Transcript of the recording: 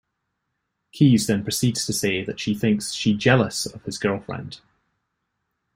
Keys then proceeds to say that she thinks she jealous of his "girlfriend".